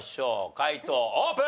解答オープン！